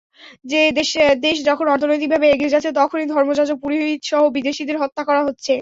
দেশ যখন অর্থনৈতিকভাবে এগিয়ে যাচ্ছে তখনই ধর্মযাজক, পুরোহিতসহ বিদেশিদের হত্যা করা হচ্ছে।